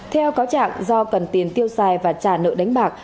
theo cáo trạng do cần tiền tiêu xài và trả nợ đánh bạc